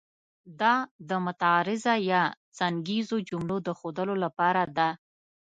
دا د معترضه یا څنګیزو جملو د ښودلو لپاره ده.